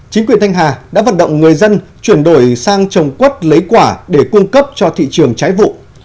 chính quyền thanh hà đã vận động người dân chuyển đổi sang trồng quất lấy quả để cung cấp cho thị trường trái vụ